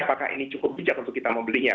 apakah ini cukup bijak untuk kita membelinya